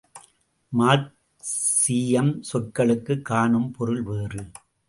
மார்க்சீயம், சொற்களுக்குக் காணும்பொருளே வேறு.